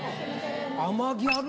甘ギャル。